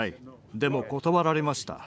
でも断られました。